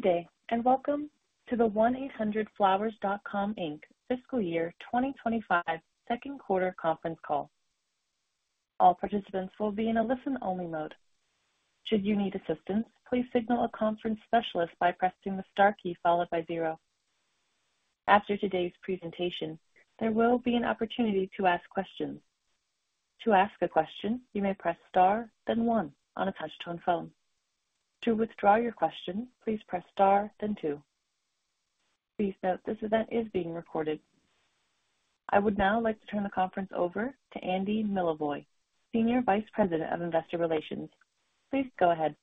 Good day, and welcome to the 1-800-FLOWERS.COM, Inc., Fiscal Year 2025, Q2 Conference Call. All participants will be in a listen-only mode. Should you need assistance, please signal a conference specialist by pressing the star key followed by zero. After today's presentation, there will be an opportunity to ask questions. To ask a question, you may press star, then one, on a touch-tone phone. To withdraw your question, please press star, then two. Please note this event is being recorded. I would now like to turn the conference over to Andy Milevoj, Senior Vice President of Investor Relations. Please go ahead.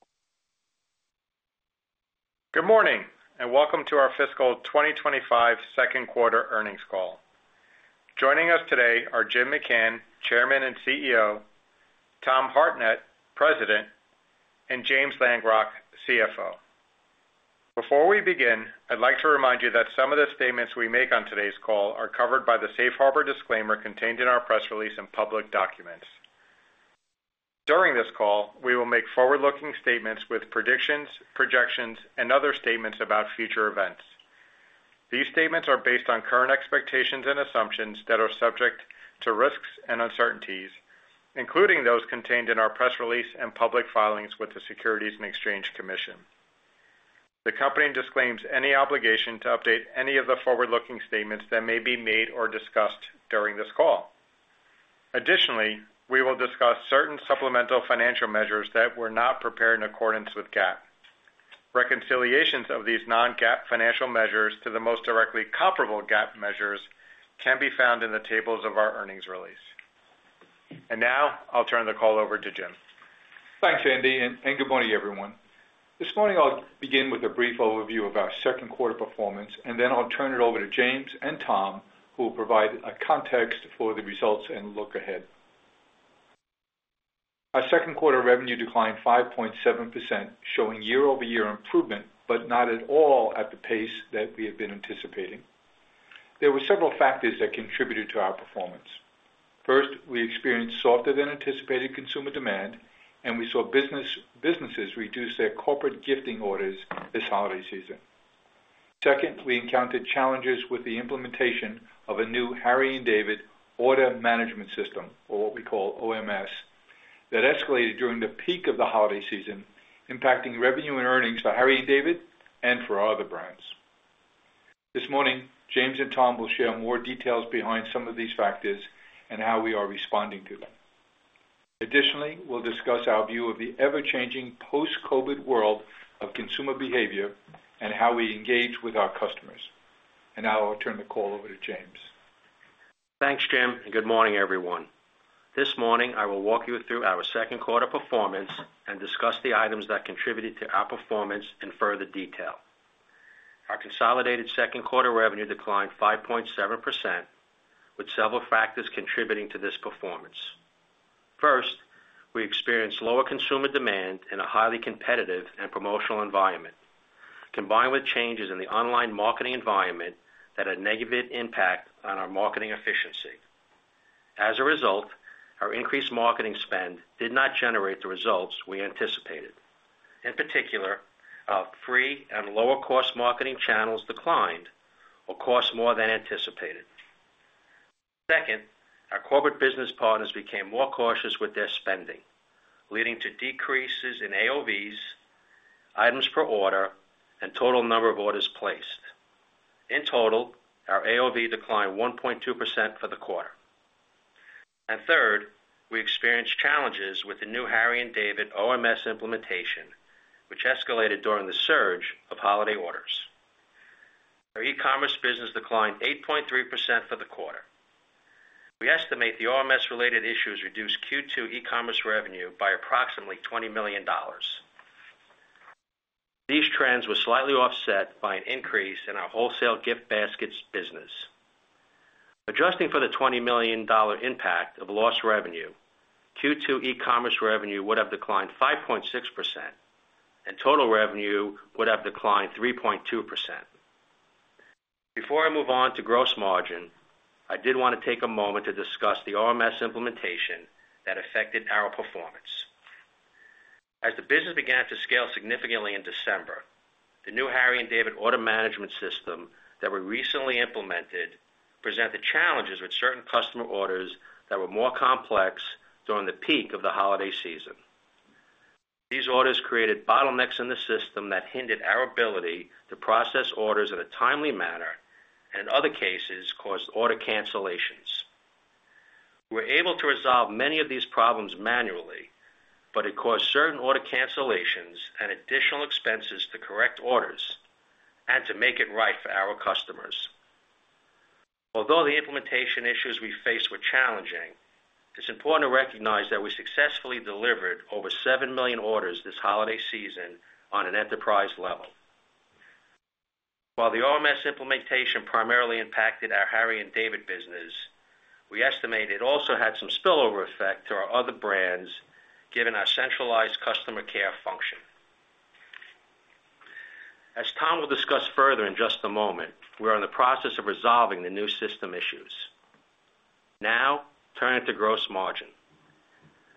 Good morning, and welcome to our Fiscal 2025 Q2 Earnings Call. Joining us today are Jim McCann, Chairman and CEO, Tom Hartnett, President, and James Langrock, CFO. Before we begin, I'd like to remind you that some of the statements we make on today's call are covered by the Safe Harbor disclaimer contained in our press release and public documents. During this call, we will make forward-looking statements with predictions, projections, and other statements about future events. These statements are based on current expectations and assumptions that are subject to risks and uncertainties, including those contained in our press release and public filings with the Securities and Exchange Commission. The company disclaims any obligation to update any of the forward-looking statements that may be made or discussed during this call. Additionally, we will discuss certain supplemental financial measures that were not prepared in accordance with GAAP. Reconciliations of these non-GAAP financial measures to the most directly comparable GAAP measures can be found in the tables of our earnings release. And now, I'll turn the call over to Jim. Thanks, Andy, and good morning, everyone. This morning, I'll begin with a brief overview of our Q2 performance, and then I'll turn it over to James and Tom, who will provide a context for the results and look ahead. Our Q2 revenue declined 5.7%, showing year-over-year improvement, but not at all at the pace that we had been anticipating. There were several factors that contributed to our performance. First, we experienced softer than anticipated consumer demand, and we saw businesses reduce their corporate gifting orders this holiday season. Second, we encountered challenges with the implementation of a new Harry & David Order Management System, or what we call OMS, that escalated during the peak of the holiday season, impacting revenue and earnings for Harry & David and for other brands. This morning, James and Tom will share more details behind some of these factors and how we are responding to them. Additionally, we'll discuss our view of the ever-changing post-COVID world of consumer behavior and how we engage with our customers. And now, I'll turn the call over to James. Thanks, Jim, and good morning, everyone. This morning, I will walk you through our Q2 performance and discuss the items that contributed to our performance in further detail. Our consolidated Q2 revenue declined 5.7%, with several factors contributing to this performance. First, we experienced lower consumer demand in a highly competitive and promotional environment, combined with changes in the online marketing environment that had a negative impact on our marketing efficiency. As a result, our increased marketing spend did not generate the results we anticipated. In particular, our free and lower-cost marketing channels declined or cost more than anticipated. Second, our corporate business partners became more cautious with their spending, leading to decreases in AOVs, items per order, and total number of orders placed. In total, our AOV declined 1.2% for the quarter. Third, we experienced challenges with the new Harry & David OMS implementation, which escalated during the surge of holiday orders. Our e-commerce business declined 8.3% for the quarter. We estimate the OMS-related issues reduced Q2 e-commerce revenue by approximately $20 million. These trends were slightly offset by an increase in our wholesale gift baskets business. Adjusting for the $20 million impact of lost revenue, Q2 e-commerce revenue would have declined 5.6%, and total revenue would have declined 3.2%. Before I move on to gross margin, I did want to take a moment to discuss the OMS implementation that affected our performance. As the business began to scale significantly in December, the new Harry & David Order Management System that we recently implemented presented challenges with certain customer orders that were more complex during the peak of the holiday season. These orders created bottlenecks in the system that hindered our ability to process orders in a timely manner and, in other cases, caused order cancellations. We were able to resolve many of these problems manually, but it caused certain order cancellations and additional expenses to correct orders and to make it right for our customers. Although the implementation issues we faced were challenging, it's important to recognize that we successfully delivered over 7 million orders this holiday season on an enterprise level. While the OMS implementation primarily impacted our Harry & David business, we estimate it also had some spillover effect to our other brands given our centralized customer care function. As Tom will discuss further in just a moment, we are in the process of resolving the new system issues. Now, turning to gross margin.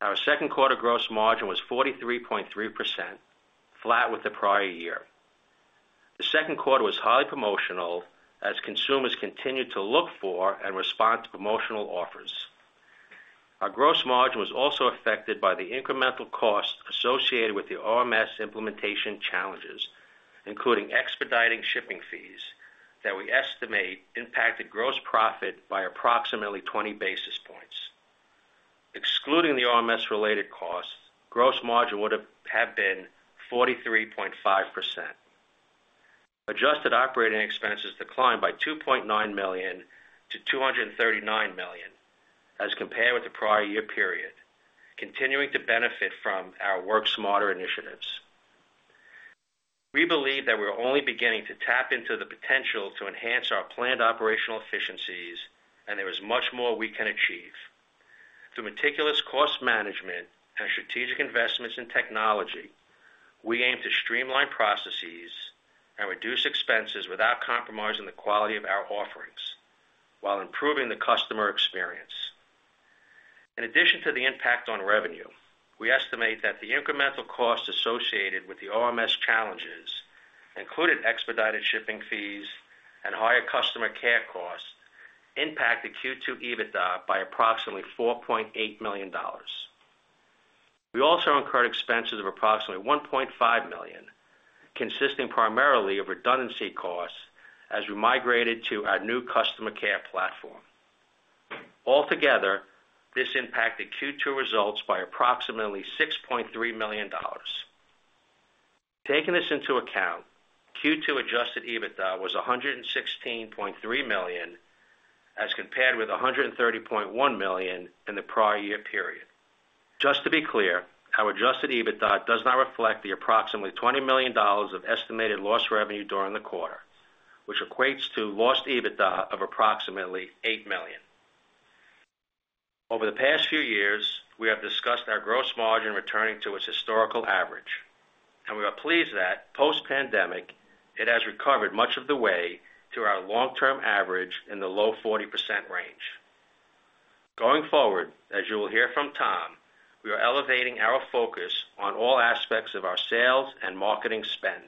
Our Q2 gross margin was 43.3%, flat with the prior year. Q2 was highly promotional as consumers continued to look for and respond to promotional offers. Our gross margin was also affected by the incremental costs associated with the OMS implementation challenges, including expediting shipping fees, that we estimate impacted gross profit by approximately 20 basis points. Excluding the OMS-related costs, gross margin would have been 43.5%. Adjusted operating expenses declined by $2.9to 239 million as compared with the prior year period, continuing to benefit from our Work Smarter initiatives. We believe that we're only beginning to tap into the potential to enhance our planned operational efficiencies, and there is much more we can achieve. Through meticulous cost management and strategic investments in technology, we aim to streamline processes and reduce expenses without compromising the quality of our offerings while improving the customer experience. In addition to the impact on revenue, we estimate that the incremental costs associated with the OMS challenges, including expedited shipping fees and higher customer care costs, impacted Q2 EBITDA by approximately $4.8 million. We also incurred expenses of approximately $1.5 million, consisting primarily of redundancy costs as we migrated to our new customer care platform. Altogether, this impacted Q2 results by approximately $6.3 million. Taking this into account, Q2 Adjusted EBITDA was $116.3 million as compared with $130.1 million in the prior year period. Just to be clear, our Adjusted EBITDA does not reflect the approximately $20 million of estimated lost revenue during the quarter, which equates to lost EBITDA of approximately $8 million. Over the past few years, we have discussed our gross margin returning to its historical average, and we are pleased that post-pandemic, it has recovered much of the way to our long-term average in the low 40% range. Going forward, as you will hear from Tom, we are elevating our focus on all aspects of our sales and marketing spend.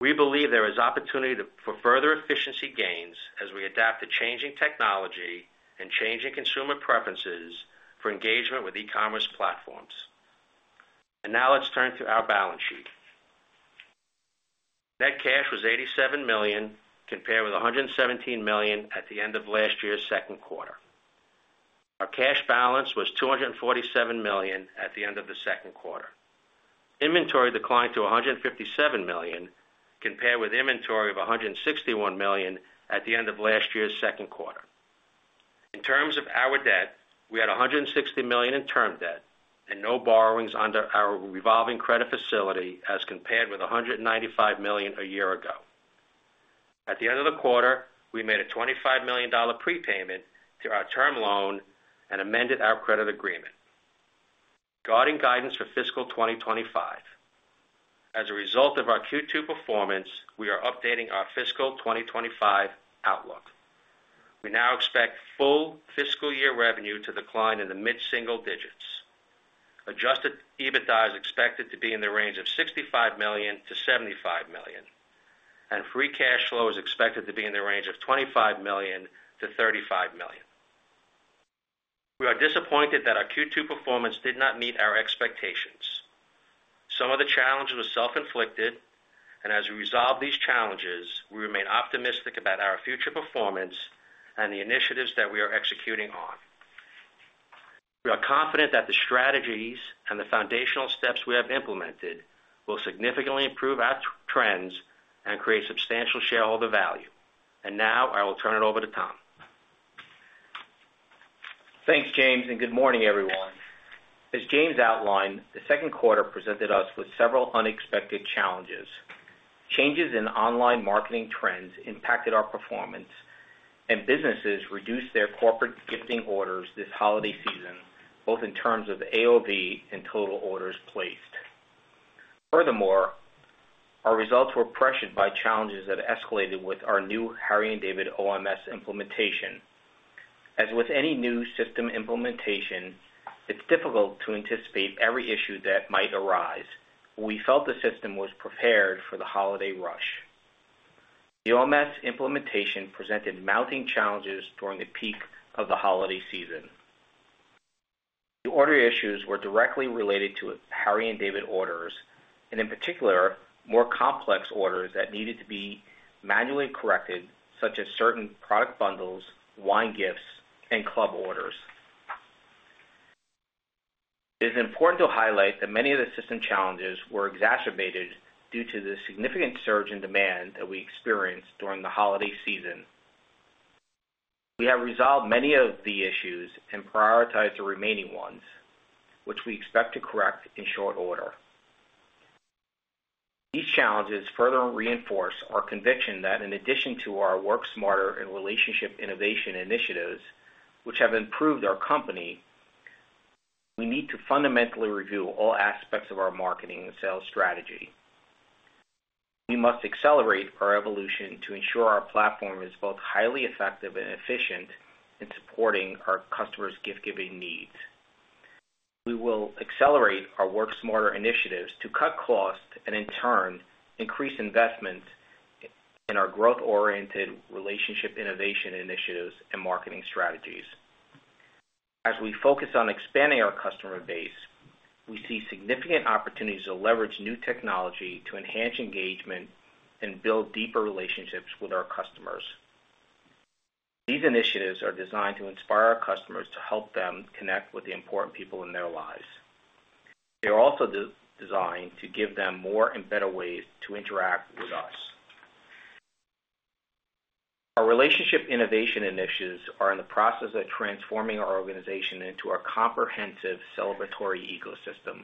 We believe there is opportunity for further efficiency gains as we adapt to changing technology and changing consumer preferences for engagement with e-commerce platforms. And now, let's turn to our balance sheet. Net cash was $87 million compared with $117 million at the end of last year's Q2. Our cash balance was $247 million at the end of Q2. Inventory declined to $157 million compared with inventory of $161 million at the end of last year's Q2. In terms of our debt, we had $160 million in term debt and no borrowings under our revolving credit facility as compared with $195 million a year ago. At the end of the quarter, we made a $25 million prepayment to our term loan and amended our credit agreement. Guidance for fiscal 2025. As a result of our Q2 performance, we are updating our fiscal 2025 outlook. We now expect full fiscal year revenue to decline in the mid-single digits. Adjusted EBITDA is expected to be in the range of $65 to 75 million, and free cash flow is expected to be in the range of $25 to 35 million. We are disappointed that our Q2 performance did not meet our expectations. Some of the challenges were self-inflicted, and as we resolve these challenges, we remain optimistic about our future performance and the initiatives that we are executing on. We are confident that the strategies and the foundational steps we have implemented will significantly improve our trends and create substantial shareholder value. And now, I will turn it over to Tom. Thanks, James, and good morning, everyone. As James outlined, Q2 presented us with several unexpected challenges. Changes in online marketing trends impacted our performance, and businesses reduced their corporate gifting orders this holiday season, both in terms of AOV and total orders placed. Furthermore, our results were pressured by challenges that escalated with our new Harry & David OMS implementation. As with any new system implementation, it's difficult to anticipate every issue that might arise. We felt the system was prepared for the holiday rush. The OMS implementation presented mounting challenges during the peak of the holiday season. The order issues were directly related to Harry & David orders, and in particular, more complex orders that needed to be manually corrected, such as certain product bundles, wine gifts, and club orders. It is important to highlight that many of the system challenges were exacerbated due to the significant surge in demand that we experienced during the holiday season. We have resolved many of the issues and prioritized the remaining ones, which we expect to correct in short order. These challenges further reinforce our conviction that in addition to our Work Smarter and Relationship Innovation initiatives, which have improved our company, we need to fundamentally review all aspects of our marketing and sales strategy. We must accelerate our evolution to ensure our platform is both highly effective and efficient in supporting our customers' gift-giving needs. We will accelerate our Work Smarter initiatives to cut costs and, in turn, increase investment in our growth-oriented Relationship Innovation initiatives and marketing strategies. As we focus on expanding our customer base, we see significant opportunities to leverage new technology to enhance engagement and build deeper relationships with our customers. These initiatives are designed to inspire our customers to help them connect with the important people in their lives. They are also designed to give them more and better ways to interact with us. Our Relationship Innovation initiatives are in the process of transforming our organization into a comprehensive celebratory ecosystem.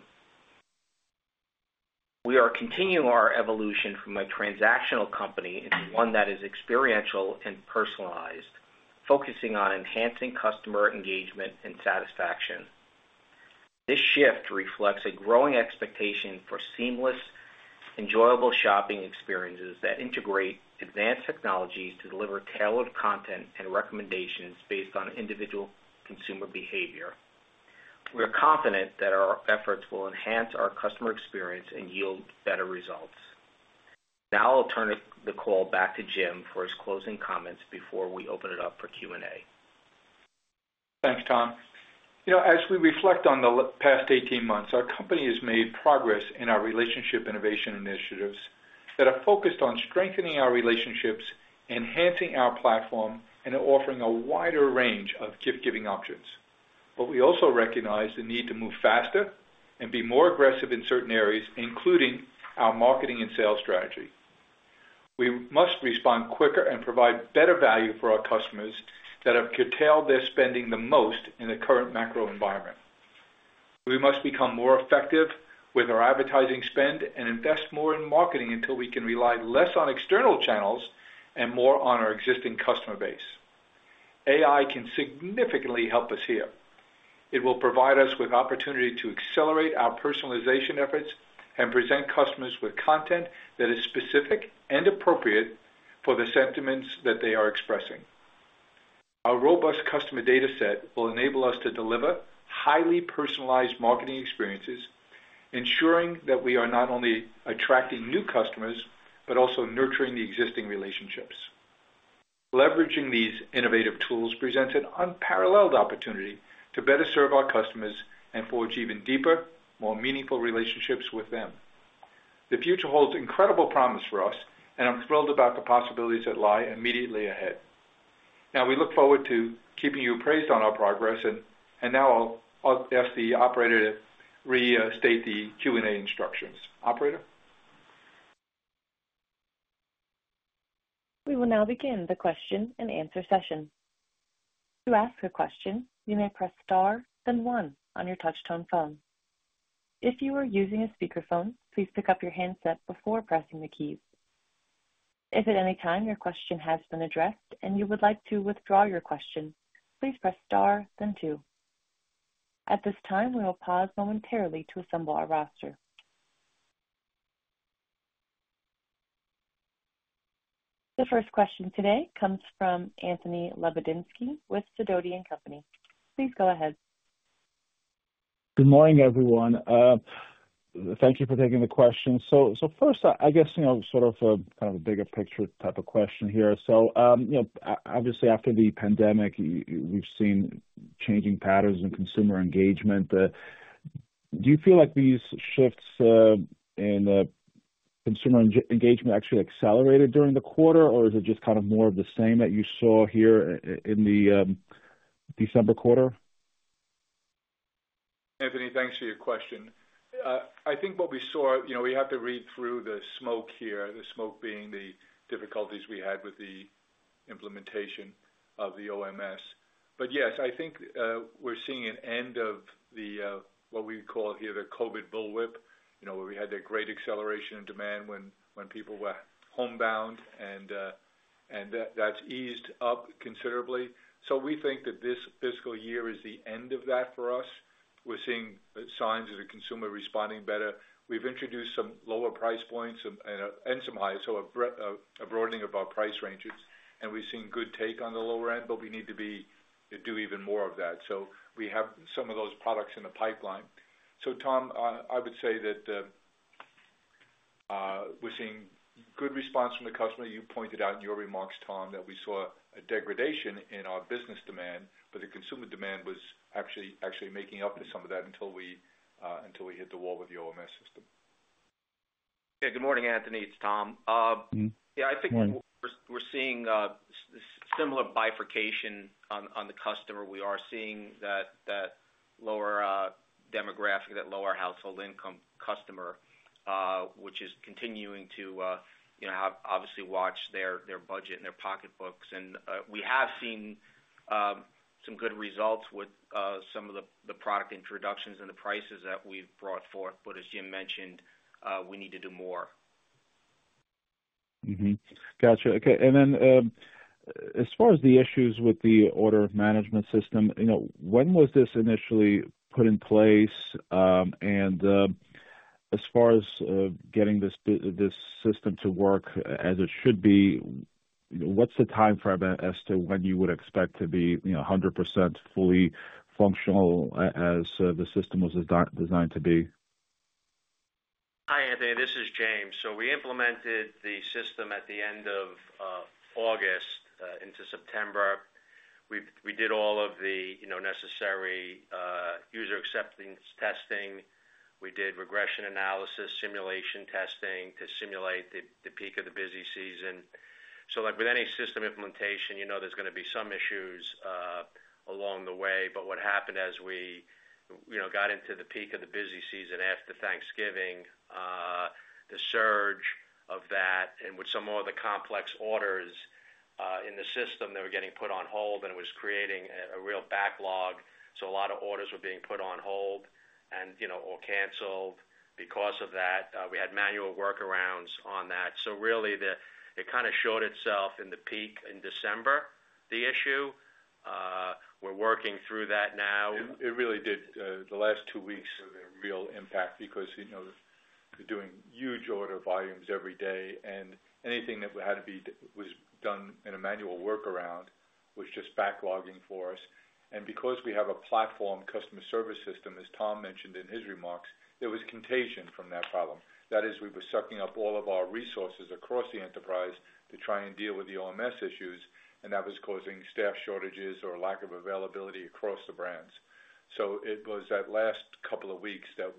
We are continuing our evolution from a transactional company into one that is experiential and personalized, focusing on enhancing customer engagement and satisfaction. This shift reflects a growing expectation for seamless, enjoyable shopping experiences that integrate advanced technologies to deliver tailored content and recommendations based on individual consumer behavior. We are confident that our efforts will enhance our customer experience and yield better results. Now, I'll turn the call back to Jim for his closing comments before we open it up for Q&A. Thanks, Tom. As we reflect on the past 18 months, our company has made progress in our Relationship Innovation initiatives that are focused on strengthening our relationships, enhancing our platform, and offering a wider range of gift-giving options. But we also recognize the need to move faster and be more aggressive in certain areas, including our marketing and sales strategy. We must respond quicker and provide better value for our customers that have curtailed their spending the most in the current macro environment. We must become more effective with our advertising spend and invest more in marketing until we can rely less on external channels and more on our existing customer base. AI can significantly help us here. It will provide us with opportunity to accelerate our personalization efforts and present customers with content that is specific and appropriate for the sentiments that they are expressing. Our robust customer data set will enable us to deliver highly personalized marketing experiences, ensuring that we are not only attracting new customers but also nurturing the existing relationships. Leveraging these innovative tools presents an unparalleled opportunity to better serve our customers and forge even deeper, more meaningful relationships with them. The future holds incredible promise for us, and I'm thrilled about the possibilities that lie immediately ahead. Now, we look forward to keeping you apprised on our progress, and now I'll ask the operator to restate the Q&A instructions. Operator. We will now begin the question and answer session. To ask a question, you may press star, then one on your touch-tone phone. If you are using a speakerphone, please pick up your handset before pressing the keys. If at any time your question has been addressed and you would like to withdraw your question, please press star, then two. At this time, we will pause momentarily to assemble our roster. The first question today comes from Anthony Lebiedzinski with Sidoti & Company. Please go ahead. Good morning, everyone. Thank you for taking the question. So first, I guess sort of a bigger picture type of question here. So obviously, after the pandemic, we've seen changing patterns in consumer engagement. Do you feel like these shifts in consumer engagement actually accelerated during the quarter, or is it just kind of more of the same that you saw here in the December quarter? Anthony, thanks for your question. I think what we saw, we have to read through the smoke here, the smoke being the difficulties we had with the implementation of the OMS. But yes, I think we're seeing an end of what we call here the COVID bullwhip, where we had that great acceleration in demand when people were homebound, and that's eased up considerably. So we think that this fiscal year is the end of that for us. We're seeing signs of the consumer responding better. We've introduced some lower price points and some higher, so a broadening of our price ranges, and we've seen good take on the lower end, but we need to do even more of that. So we have some of those products in the pipeline. So Tom, I would say that we're seeing good response from the customer. You pointed out in your remarks, Tom, that we saw a degradation in our business demand, but the consumer demand was actually making up for some of that until we hit the wall with the OMS system. Yeah. Good morning, Anthony. It's Tom. Yeah, I think we're seeing similar bifurcation on the customer. We are seeing that lower demographic, that lower household income customer, which is continuing to obviously watch their budget and their pocketbooks. And we have seen some good results with some of the product introductions and the prices that we've brought forth, but as Jim mentioned, we need to do more. Gotcha. Okay. And then as far as the issues with the order management system, when was this initially put in place? And as far as getting this system to work as it should be, what's the timeframe as to when you would expect to be 100% fully functional as the system was designed to be? Hi, Anthony. This is James, so we implemented the system at the end of August into September. We did all of the necessary user acceptance testing. We did regression analysis, simulation testing to simulate the peak of the busy season, so with any system implementation, there's going to be some issues along the way, but what happened as we got into the peak of the busy season after Thanksgiving, the surge of that, and with some of the complex orders in the system that were getting put on hold, and it was creating a real backlog, so a lot of orders were being put on hold or canceled because of that. We had manual workarounds on that, so really, it kind of showed itself in the peak in December, the issue. We're working through that now. It really did. The last two weeks were the real impact because we're doing huge order volumes every day, and anything that had to be done in a manual workaround was just backlogging for us. And because we have a platform customer service system, as Tom mentioned in his remarks, there was contagion from that problem. That is, we were sucking up all of our resources across the enterprise to try and deal with the OMS issues, and that was causing staff shortages or lack of availability across the brands. So it was that last couple of weeks that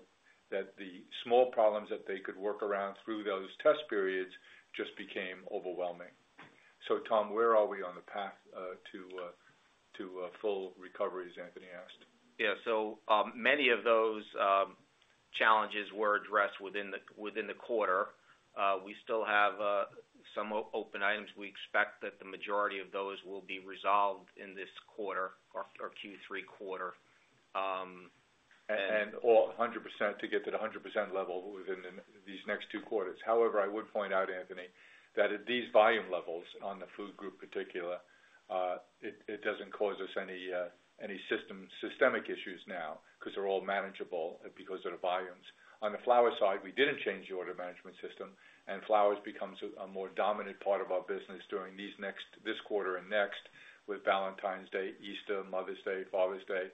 the small problems that they could work around through those test periods just became overwhelming. So Tom, where are we on the path to full recovery as Anthony asked? Yeah. So many of those challenges were addressed within the quarter. We still have some open items. We expect that the majority of those will be resolved in this quarter or Q3 quarter. 100% to get to the 100% level within these next two quarters. However, I would point out, Anthony, that at these volume levels on the food group in particular, it doesn't cause us any systemic issues now because they're all manageable because of the volumes. On the flower side, we didn't change the order management system, and flowers becomes a more dominant part of our business during this quarter and next with Valentine's Day, Easter, Mother's Day, Father's Day.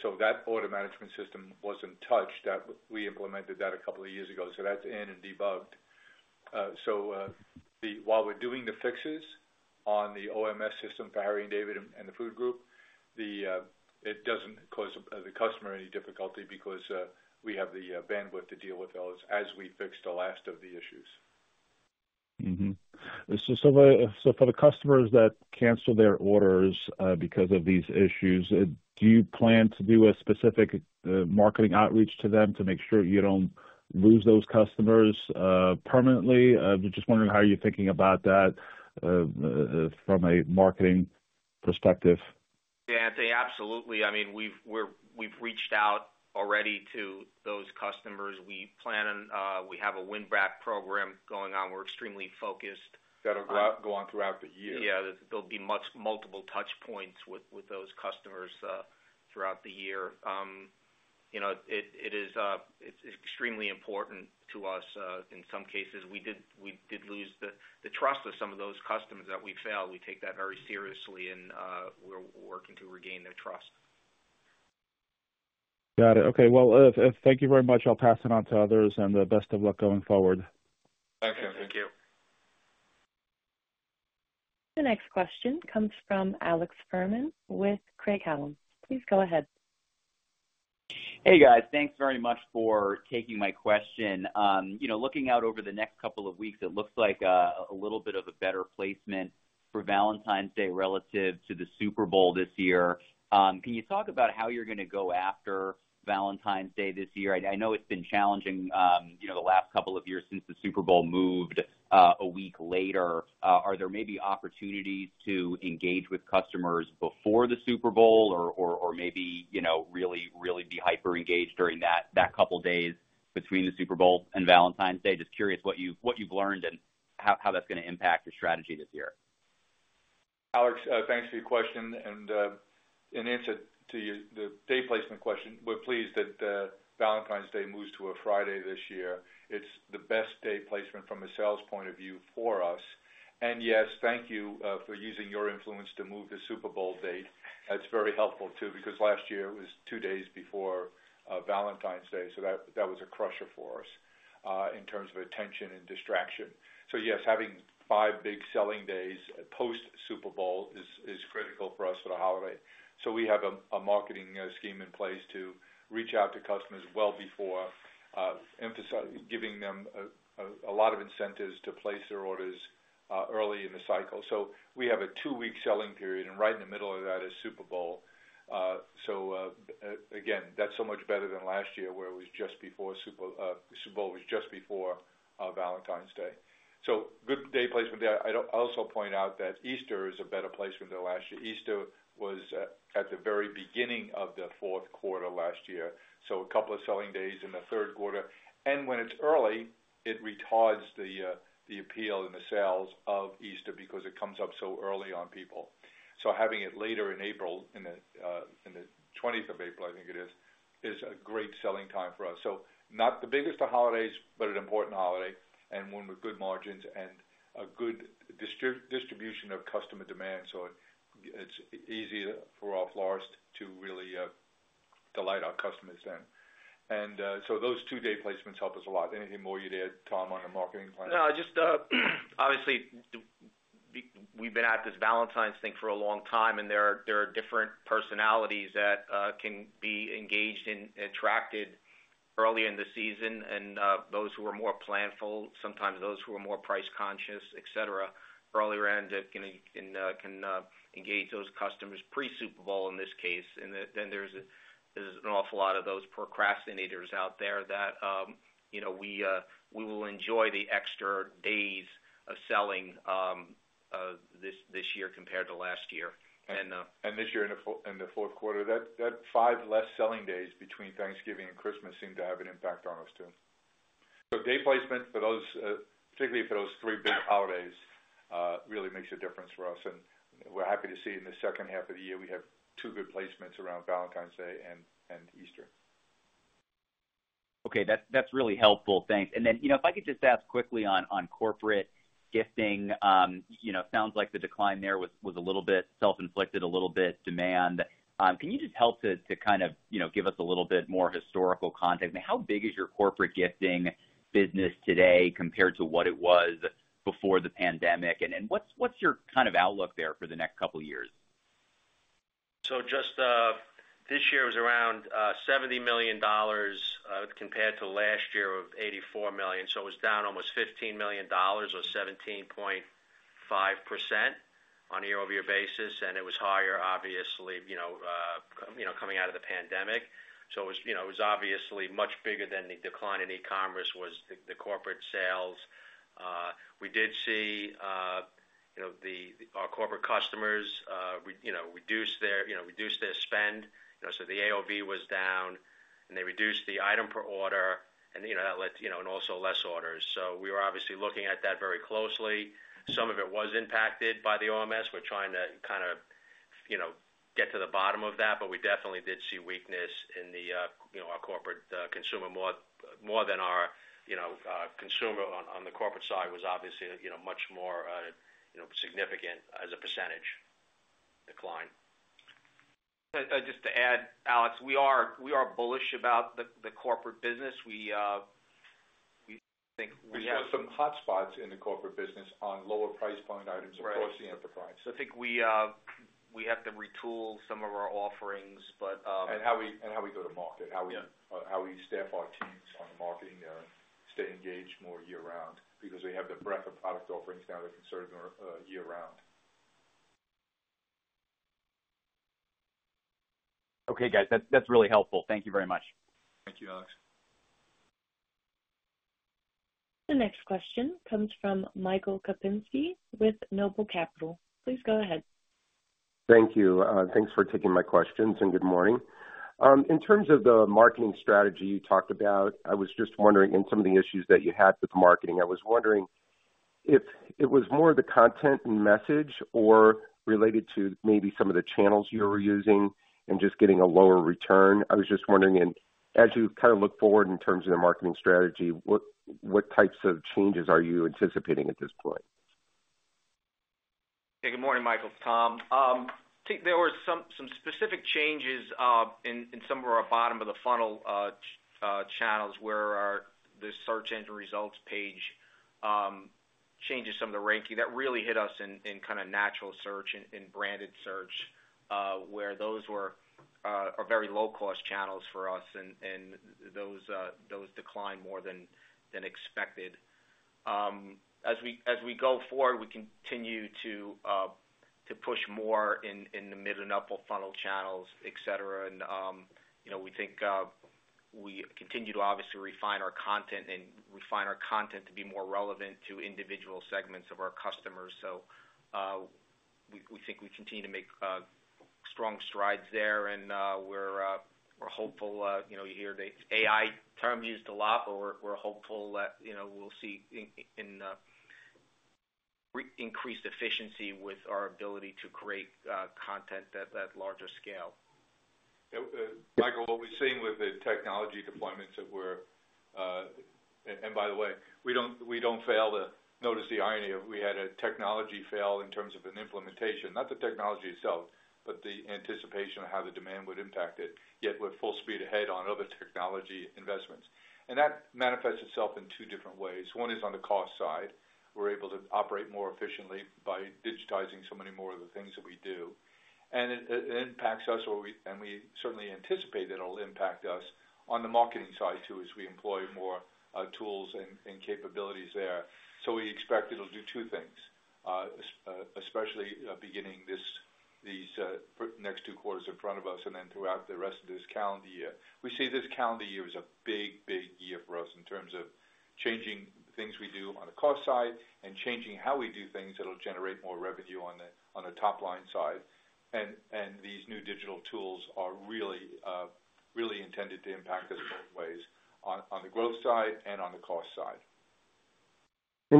So that order management system wasn't touched. We implemented that a couple of years ago, so that's installed and debugged. So while we're doing the fixes on the OMS system for Harry & David and the food group, it doesn't cause the customer any difficulty because we have the bandwidth to deal with those as we fix the last of the issues. For the customers that cancel their orders because of these issues, do you plan to do a specific marketing outreach to them to make sure you don't lose those customers permanently? Just wondering how you're thinking about that from a marketing perspective. Yeah, Anthony, absolutely. I mean, we've reached out already to those customers. We have a win-back program going on. We're extremely focused. That'll go on throughout the year. Yeah. There'll be multiple touchpoints with those customers throughout the year. It is extremely important to us. In some cases, we did lose the trust of some of those customers that we failed. We take that very seriously, and we're working to regain their trust. Got it. Okay. Well, thank you very much. I'll pass it on to others and the best of luck going forward. Thank you. Thank you. The next question comes from Alex Fuhrman with Craig-Hallum Capital Group. Please go ahead. Hey, guys. Thanks very much for taking my question. Looking out over the next couple of weeks, it looks like a little bit of a better placement for Valentine's Day relative to the Super Bowl this year. Can you talk about how you're going to go after Valentine's Day this year? I know it's been challenging the last couple of years since the Super Bowl moved a week later. Are there maybe opportunities to engage with customers before the Super Bowl or maybe really be hyper-engaged during that couple of days between the Super Bowl and Valentine's Day? Just curious what you've learned and how that's going to impact your strategy this year. Alex, thanks for your question. In answer to the day placement question, we're pleased that Valentine's Day moves to a Friday this year. It's the best day placement from a sales point of view for us, and yes, thank you for using your influence to move the Super Bowl date. That's very helpful too because last year it was two days before Valentine's Day, so that was a crusher for us in terms of attention and distraction, so yes, having five big selling days post-Super Bowl is critical for us for the holiday, so we have a marketing scheme in place to reach out to customers well before, giving them a lot of incentives to place their orders early in the cycle, so we have a two-week selling period, and right in the middle of that is Super Bowl. So again, that's so much better than last year where it was just before Super Bowl was just before Valentine's Day. So good day placement there. I also point out that Easter is a better placement than last year. Easter was at the very beginning of Q4 last year. So a couple of selling days in Q3. And when it's early, it retards the appeal and the sales of Easter because it comes up so early on people. So having it later in April, in the 20th of April, I think it is, is a great selling time for us. So not the biggest of holidays, but an important holiday and one with good margins and a good distribution of customer demand. So it's easy for our flowers to really delight our customers then. And so those two day placements help us a lot. Anything more you'd add, Tom, on the marketing plan? No, just obviously, we've been at this Valentine's thing for a long time, and there are different personalities that can be engaged and attracted earlier in the season, and those who are more planful, sometimes those who are more price conscious, etc., earlier end can engage those customers pre-Super Bowl in this case, and then there's an awful lot of those procrastinators out there that we will enjoy the extra days of selling this year compared to last year. And this year in Q4, that five less selling days between Thanksgiving and Christmas seem to have an impact on us too. So day placement for those, particularly for those three big holidays, really makes a difference for us. And we're happy to see in H2 of the year we have two good placements around Valentine's Day and Easter. Okay. That's really helpful. Thanks. And then if I could just ask quickly on corporate gifting, it sounds like the decline there was a little bit self-inflicted, a little bit demand. Can you just help to kind of give us a little bit more historical context? How big is your corporate gifting business today compared to what it was before the pandemic? And what's your kind of outlook there for the next couple of years? So just this year was around $70 million compared to last year of $84 million. So it was down almost $15 million or 17.5% on a year-over-year basis. And it was higher, obviously, coming out of the pandemic. So it was obviously much bigger than the decline in e-commerce was the corporate sales. We did see our corporate customers reduce their spend. So the AOV was down, and they reduced the item per order, and that led to also less orders. So we were obviously looking at that very closely. Some of it was impacted by the OMS. We're trying to kind of get to the bottom of that, but we definitely did see weakness in our corporate consumer more than our consumer on the corporate side was obviously much more significant as a percentage decline. Just to add, Alex, we are bullish about the corporate business. We think we have. We still have some hotspots in the corporate business on lower price point items across the enterprise. So I think we have to retool some of our offerings, but. And how we go to market, how we staff our teams on the marketing there, stay engaged more year-round because we have the breadth of product offerings now that can serve year-round. Okay, guys. That's really helpful. Thank you very much. Thank you, Alex. The next question comes from Michael Kupinski with Noble Capital Markets. Please go ahead. Thank you. Thanks for taking my questions and good morning. In terms of the marketing strategy you talked about, I was just wondering in some of the issues that you had with the marketing, I was wondering if it was more the content and message or related to maybe some of the channels you were using and just getting a lower return. I was just wondering, as you kind of look forward in terms of the marketing strategy, what types of changes are you anticipating at this point? Okay. Good morning, Michael. It's Tom. There were some specific changes in some of our bottom of the funnel channels where the search engine results page changes some of the ranking. That really hit us in kind of natural search and branded search where those are very low-cost channels for us, and those declined more than expected. As we go forward, we continue to push more in the mid and upper funnel channels, etc., and we think we continue to obviously refine our content and refine our content to be more relevant to individual segments of our customers, so we think we continue to make strong strides there, and we're hopeful. You hear the AI term used a lot, but we're hopeful that we'll see increased efficiency with our ability to create content at larger scale. Michael, what we're seeing with the technology deployments that we're, and by the way, we don't fail to notice the irony of we had a technology fail in terms of an implementation, not the technology itself, but the anticipation of how the demand would impact it, yet we're full speed ahead on other technology investments, and that manifests itself in two different ways. One is on the cost side. We're able to operate more efficiently by digitizing so many more of the things that we do, and it impacts us, and we certainly anticipate that it'll impact us on the marketing side too as we employ more tools and capabilities there, so we expect it'll do two things, especially beginning these next two quarters in front of us and then throughout the rest of this calendar year. We see this calendar year as a big, big year for us in terms of changing things we do on the cost side and changing how we do things that'll generate more revenue on the top line side, and these new digital tools are really intended to impact us both ways on the growth side and on the cost side.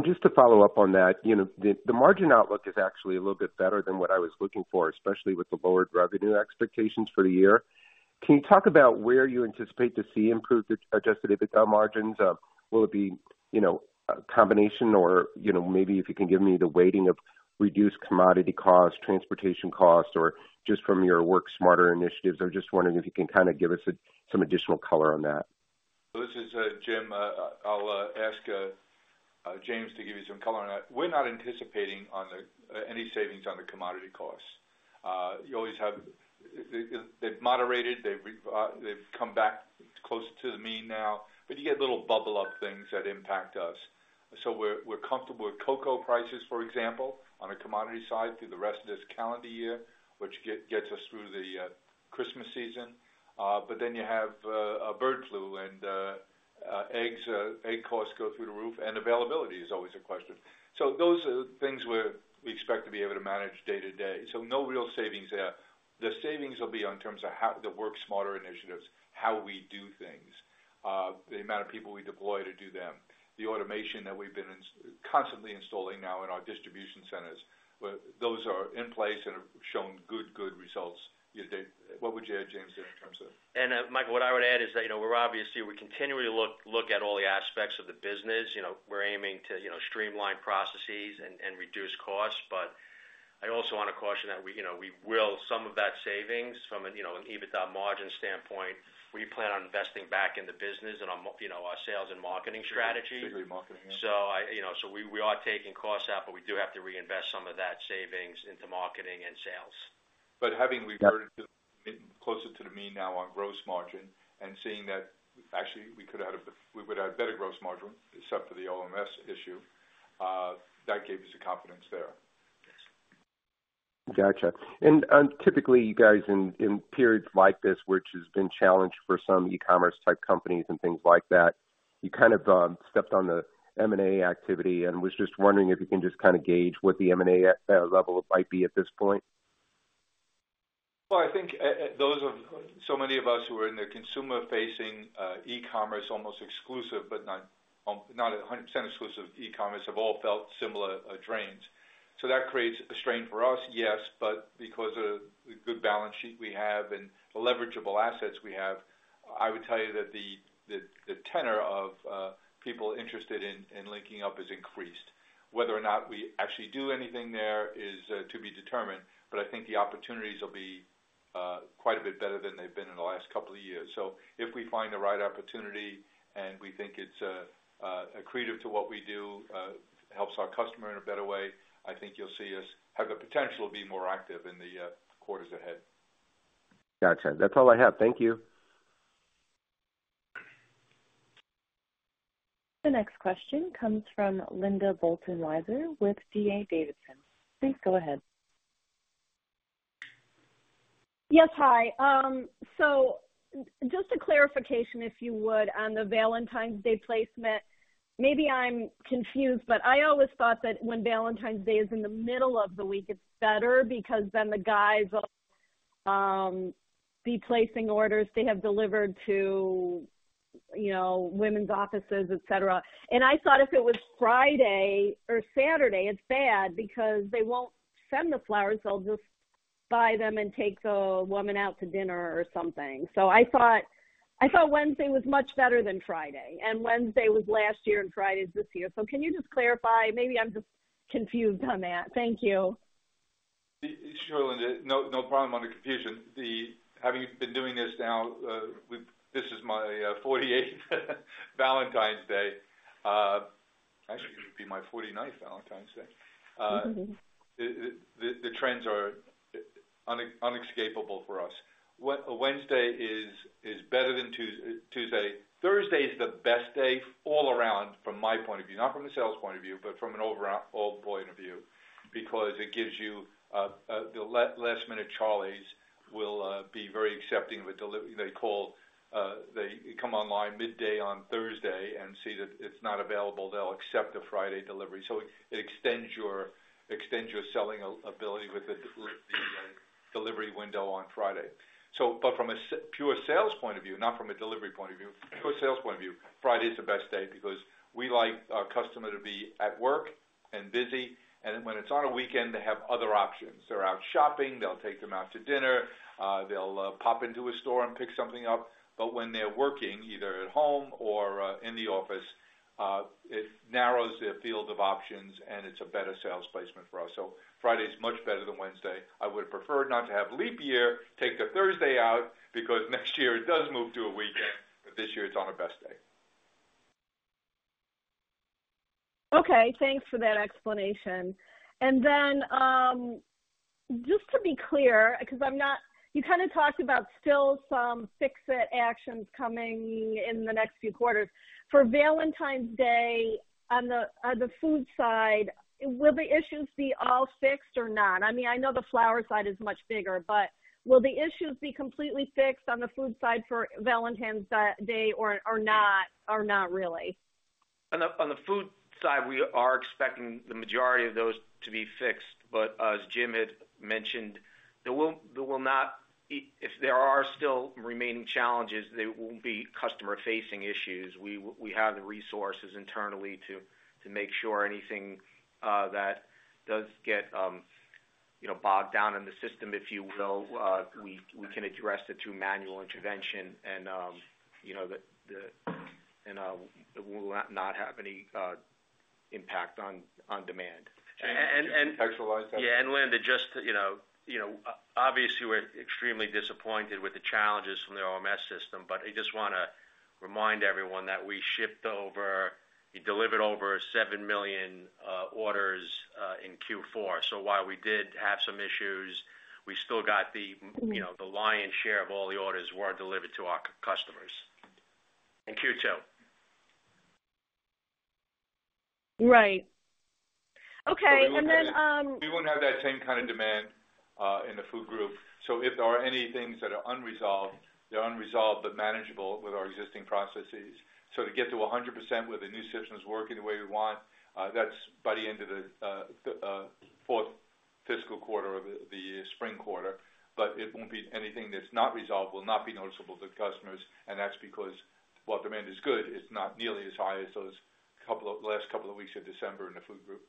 Just to follow up on that, the margin outlook is actually a little bit better than what I was looking for, especially with the lowered revenue expectations for the year. Can you talk about where you anticipate to see improved Adjusted EBITDA margins? Will it be a combination or maybe if you can give me the weighting of reduced commodity cost, transportation cost, or just from your Work Smarter initiatives? I'm just wondering if you can kind of give us some additional color on that? So this is Jim. I'll ask James to give you some color on that. We're not anticipating any savings on the commodity costs. You always have. They've moderated. They've come back close to the mean now, but you get little bubble-up things that impact us. So we're comfortable with cocoa prices, for example, on the commodity side through the rest of this calendar year, which gets us through the Christmas season. But then you have bird flu and egg costs go through the roof, and availability is always a question. So those are things where we expect to be able to manage day to day. So no real savings there. The savings will be in terms of the Work Smarter initiatives, how we do things, the amount of people we deploy to do them, the automation that we've been constantly installing now in our distribution centers. Those are in place and have shown good, good results. What would you add, James, in terms of? And Michael, what I would add is that we're obviously, we continually look at all the aspects of the business. We're aiming to streamline processes and reduce costs. But I also want to caution that we will some of that savings from an EBITDA margin standpoint, we plan on investing back in the business and on our sales and marketing strategy. Particularly marketing, yeah. So we are taking costs out, but we do have to reinvest some of that savings into marketing and sales. But having reverted to closer to the mean now on gross margin and seeing that actually we could have had a better gross margin except for the OMS issue, that gave us the confidence there. Gotcha. And typically, you guys in periods like this, which has been challenged for some e-commerce type companies and things like that, you kind of stepped on the M&A activity and was just wondering if you can just kind of gauge what the M&A level might be at this point? I think so many of us who are in the consumer-facing e-commerce, almost exclusive, but not 100% exclusive e-commerce, have all felt similar drains. So that creates a strain for us, yes, but because of the good balance sheet we have and the leverageable assets we have, I would tell you that the tenor of people interested in linking up is increased. Whether or not we actually do anything there is to be determined, but I think the opportunities will be quite a bit better than they've been in the last couple of years. So if we find the right opportunity and we think it's accretive to what we do, helps our customer in a better way, I think you'll see us have the potential to be more active in the quarters ahead. Gotcha. That's all I have. Thank you. The next question comes from Linda Bolton Weiser with D.A. Davidson. Please go ahead. Yes, hi. So just a clarification, if you would, on the Valentine's Day placement. Maybe I'm confused, but I always thought that when Valentine's Day is in the middle of the week, it's better because then the guys will be placing orders. They have delivered to women's offices, etc. And I thought if it was Friday or Saturday, it's bad because they won't send the flowers. They'll just buy them and take the woman out to dinner or something. So I thought Wednesday was much better than Friday. And Wednesday was last year and Friday's this year. So can you just clarify? Maybe I'm just confused on that. Thank you. Sure, Linda. No problem on the confusion. Having been doing this now, this is my 48th Valentine's Day. Actually, it would be my 49th Valentine's Day. The trends are inescapable for us. Wednesday is better than Tuesday. Thursday is the best day all around from my point of view, not from a sales point of view, but from an overall point of view because it gives you the last-minute Charlies will be very accepting of a delivery. They come online midday on Thursday and see that it's not available. They'll accept a Friday delivery. So it extends your selling ability with the delivery window on Friday. But from a pure sales point of view, not from a delivery point of view, pure sales point of view, Friday is the best day because we like our customer to be at work and busy. And when it's on a weekend, they have other options. They're out shopping. They'll take them out to dinner. They'll pop into a store and pick something up. But when they're working, either at home or in the office, it narrows their field of options, and it's a better sales placement for us. So Friday is much better than Wednesday. I would have preferred not to have leap year, take the Thursday out because next year it does move to a weekend, but this year it's on our best day. Okay. Thanks for that explanation. And then just to be clear, because you kind of talked about still some fix-it actions coming in the next few quarters. For Valentine's Day, on the food side, will the issues be all fixed or not? I mean, I know the flower side is much bigger, but will the issues be completely fixed on the food side for Valentine's Day or not really? On the food side, we are expecting the majority of those to be fixed. But as Jim had mentioned, there will not, if there are still remaining challenges, they won't be customer-facing issues. We have the resources internally to make sure anything that does get bogged down in the system, if you will, we can address it through manual intervention, and we will not have any impact on demand. And. Yeah, and Linda, just obviously, we're extremely disappointed with the challenges from the OMS system, but I just want to remind everyone that we delivered over seven million orders in Q4, so while we did have some issues, we still got the lion's share of all the orders that were delivered to our customers in Q2. Right. Okay. And then. We won't have that same kind of demand in the food group. So if there are any things that are unresolved, they're unresolved but manageable with our existing processes. So to get to 100% with the new systems working the way we want, that's by the end of the fourth fiscal quarter of the spring quarter. But it won't be anything that's not resolved, will not be noticeable to customers, and that's because while demand is good, it's not nearly as high as those last couple of weeks of December in the food group.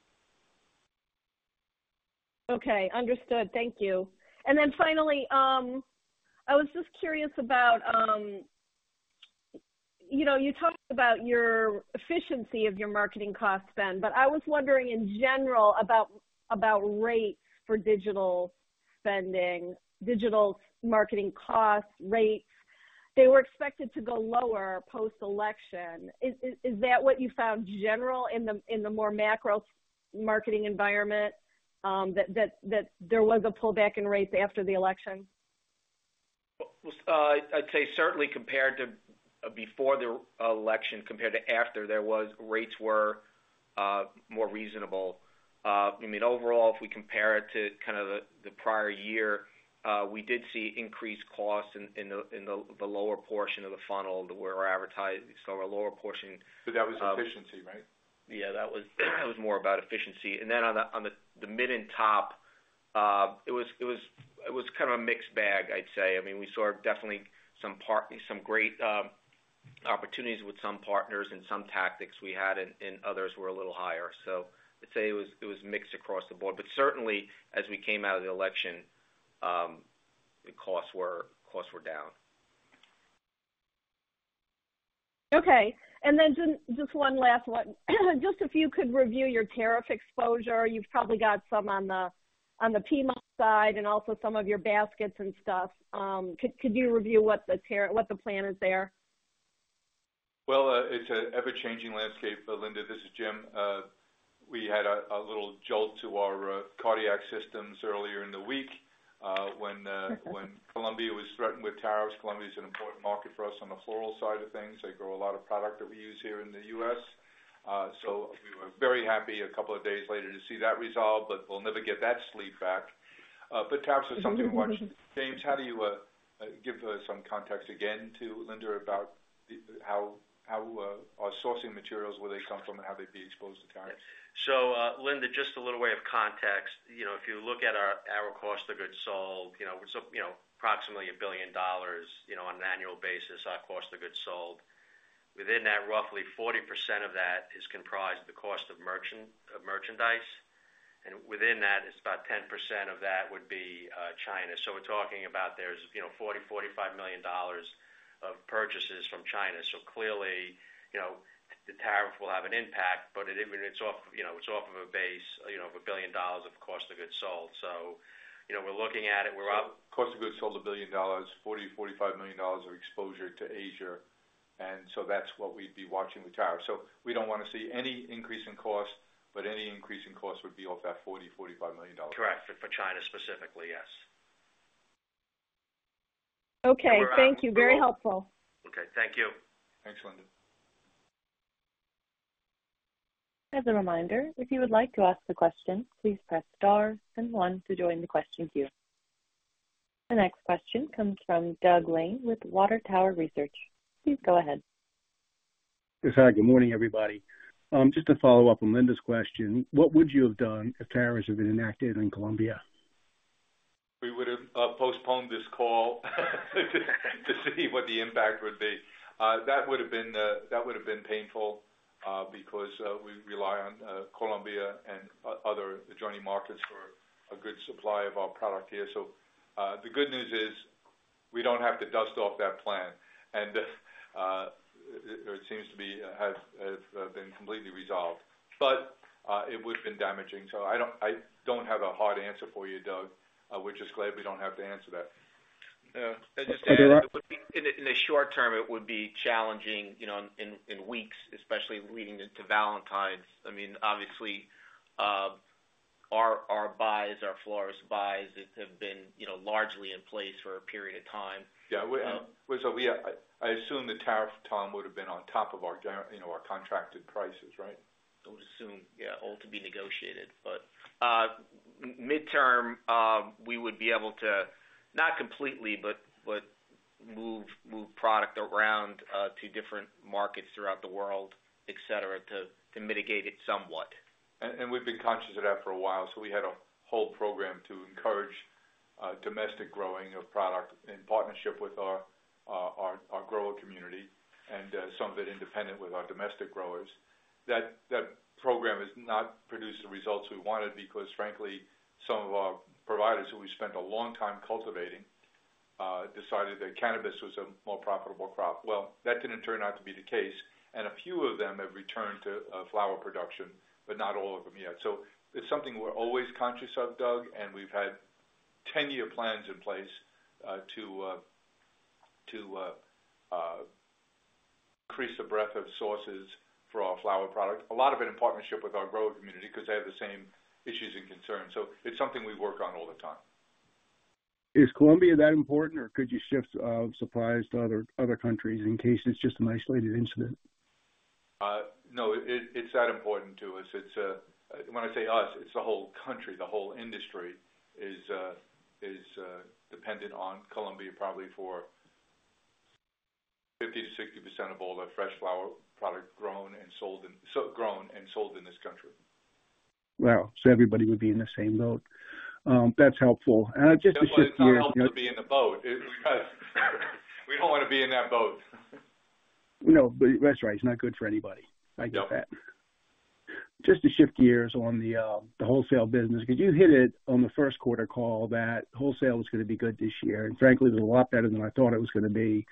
Okay. Understood. Thank you. And then finally, I was just curious about, you talked about your efficiency of your marketing cost spend, but I was wondering in general about rates for digital spending, digital marketing cost rates. They were expected to go lower post-election. Is that what you found general in the more macro marketing environment, that there was a pullback in rates after the election? I'd say certainly compared to before the election, compared to after, rates were more reasonable. I mean, overall, if we compare it to kind of the prior year, we did see increased costs in the lower portion of the funnel that we were advertising, so our lower portion. That was efficiency, right? Yeah. That was more about efficiency. And then on the mid and top, it was kind of a mixed bag, I'd say. I mean, we saw definitely some great opportunities with some partners and some tactics we had, and others were a little higher. So I'd say it was mixed across the board. But certainly, as we came out of the election, the costs were down. Okay. And then just one last one. Just if you could review your tariff exposure. You've probably got some on the P-Mall side, and also some of your baskets and stuff. Could you review what the plan is there? It's an ever-changing landscape. Linda, this is Jim. We had a little jolt to our cardiac systems earlier in the week when Colombia was threatened with tariffs. Colombia is an important market for us on the floral side of things. They grow a lot of product that we use here in the U.S. So we were very happy a couple of days later to see that resolve, but we'll never get that sleep back. But tariffs are something we watch. James, how do you give some context again to Linda about how our sourcing materials, where they come from, and how they'd be exposed to tariffs? Linda, just a little bit of context. If you look at our cost of goods sold, it's approximately $1 billion on an annual basis, our cost of goods sold. Within that, roughly 40% of that is comprised of the cost of merchandise. And within that, it's about 10% of that would be China. So we're talking about there's $40 to 45 million of purchases from China. So clearly, the tariff will have an impact, but it's off of a base of $1 billion of cost of goods sold. So we're looking at it. So cost of goods sold, $1 billion, $40 to 45 million of exposure to Asia. And so that's what we'd be watching with tariffs. So we don't want to see any increase in cost, but any increase in cost would be off that $40 to 45 million. Correct. For China specifically, yes. Okay. Thank you. Very helpful. Okay. Thank you. Thanks, Linda. As a reminder, if you would like to ask a question, please press star and one to join the question queue. The next question comes from Doug Lane with Water Tower Research. Please go ahead. Good morning, everybody. Just to follow up on Linda's question, what would you have done if tariffs had been enacted in Colombia? We would have postponed this call to see what the impact would be. That would have been painful because we rely on Colombia and other adjoining markets for a good supply of our product here. So the good news is we don't have to dust off that plan. And it seems to have been completely resolved. But it would have been damaging. So I don't have a hard answer for you, Doug. We're just glad we don't have to answer that. Just to add, in the short term, it would be challenging in weeks, especially leading into Valentine's. I mean, obviously, our buys are florist buys that have been largely in place for a period of time. Yeah. So I assume the tariff time would have been on top of our contracted prices, right? I would assume, yeah, all to be negotiated. But midterm, we would be able to not completely, but move product around to different markets throughout the world, etc., to mitigate it somewhat. And we've been conscious of that for a while. So we had a whole program to encourage domestic growing of product in partnership with our grower community and some of it independent with our domestic growers. That program has not produced the results we wanted because, frankly, some of our providers who we spent a long time cultivating decided that cannabis was a more profitable crop. Well, that didn't turn out to be the case. And a few of them have returned to flower production, but not all of them yet. So it's something we're always conscious of, Doug. And we've had 10-year plans in place to increase the breadth of sources for our flower product, a lot of it in partnership with our grower community because they have the same issues and concerns. So it's something we work on all the time. Is Colombia that important, or could you shift supplies to other countries in case it's just an isolated incident? No. It's that important to us. When I say us, it's the whole country. The whole industry is dependent on Colombia probably for 50% to 60% of all the fresh flower product grown and sold in this country. Wow. So everybody would be in the same boat. That's helpful. And just to shift gears. We don't want to be in the boat because we don't want to be in that boat. No, that's right. It's not good for anybody. I get that. Just to shift gears on the wholesale business, because you hit it on Q1 call that wholesale was going to be good this year. And frankly, it was a lot better than I thought it was going to be.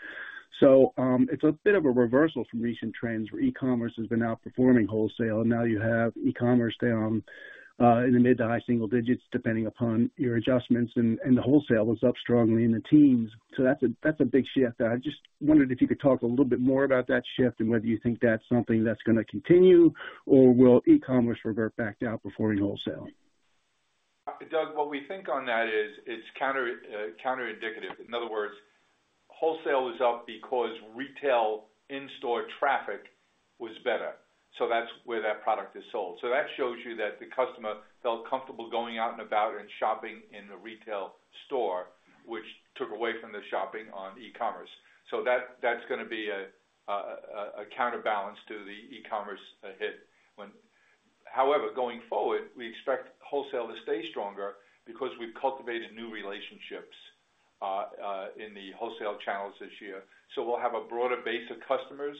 So it's a bit of a reversal from recent trends where e-commerce has been outperforming wholesale. And now you have e-commerce down in the mid to high single digits, depending upon your adjustments. And the wholesale was up strongly in the teens. So that's a big shift. I just wondered if you could talk a little bit more about that shift and whether you think that's something that's going to continue, or will e-commerce revert back to outperforming wholesale? Doug, what we think on that is it's counterindicative. In other words, wholesale was up because retail in-store traffic was better, so that's where that product is sold. So that shows you that the customer felt comfortable going out and about and shopping in the retail store, which took away from the shopping on e-commerce. So that's going to be a counterbalance to the e-commerce hit. However, going forward, we expect wholesale to stay stronger because we've cultivated new relationships in the wholesale channels this year, so we'll have a broader base of customers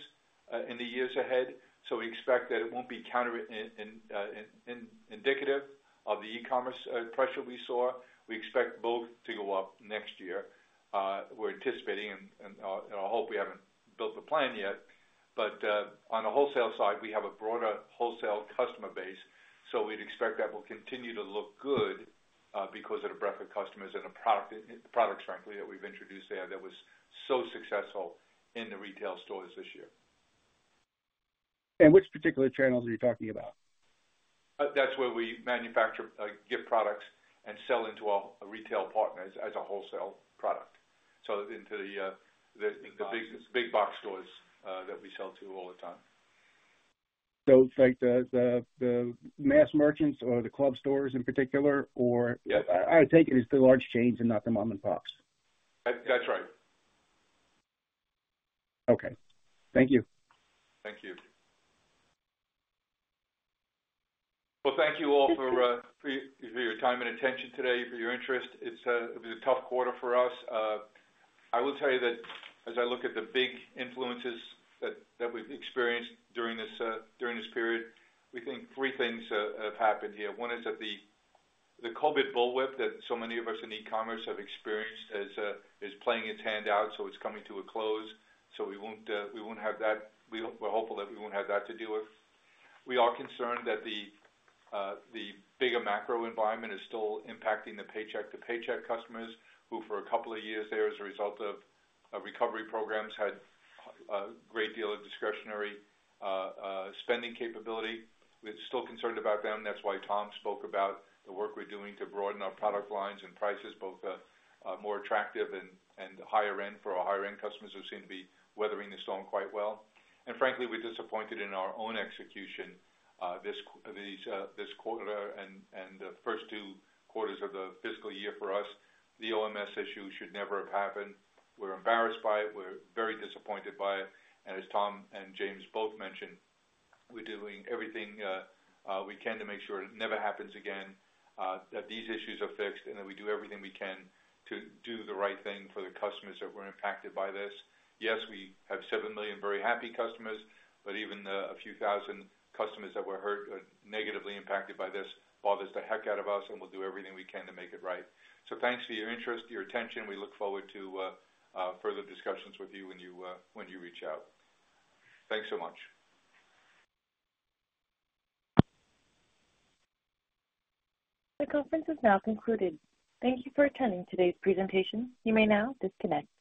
in the years ahead. So we expect that it won't be counterindicative of the e-commerce pressure we saw. We expect both to go up next year. We're anticipating, and I hope we haven't built the plan yet, but on the wholesale side, we have a broader wholesale customer base. So we'd expect that will continue to look good because of the breadth of customers and the product, frankly, that we've introduced there that was so successful in the retail stores this year. Which particular channels are you talking about? That's where we manufacture, gift products, and sell into our retail partners as a wholesale product, so into the big box stores that we sell to all the time. So it's like the mass merchants or the club stores in particular, or I take it it's the large chains and not the mom-and-pops. That's right. Okay. Thank you. Thank you. Thank you all for your time and attention today, for your interest. It was a tough quarter for us. I will tell you that as I look at the big influences that we've experienced during this period, we think three things have happened here. One is that the COVID bullwhip that so many of us in e-commerce have experienced is playing its hand out. It's coming to a close. We won't have that. We're hopeful that we won't have that to deal with. We are concerned that the bigger macro environment is still impacting the paycheck-to-paycheck customers who, for a couple of years there, as a result of recovery programs, had a great deal of discretionary spending capability. We're still concerned about them. That's why Tom spoke about the work we're doing to broaden our product lines and prices, both more attractive and higher-end for our higher-end customers who seem to be weathering the storm quite well, and frankly, we're disappointed in our own execution this quarter and the first two quarters of the fiscal year for us. The OMS issue should never have happened. We're embarrassed by it. We're very disappointed by it, and as Tom and James both mentioned, we're doing everything we can to make sure it never happens again, that these issues are fixed, and that we do everything we can to do the right thing for the customers that were impacted by this. Yes, we have seven million very happy customers, but even a few thousand customers that were negatively impacted by this bother us the heck out of us, and we'll do everything we can to make it right. So thanks for your interest, your attention. We look forward to further discussions with you when you reach out. Thanks so much. The conference is now concluded. Thank you for attending today's presentation. You may now disconnect.